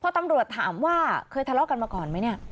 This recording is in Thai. พอตำรวจถามว่าเคยทะเลาะกันมาก่อนไหมเนี่ย